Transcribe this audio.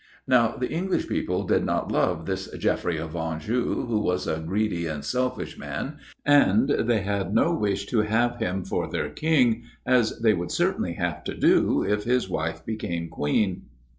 Now, the English people did not love this Geoffry of Anjou, who was a greedy and selfish man, and they had no wish to have him for their King, as they would certainly have to do if his wife became Queen.